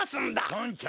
村長！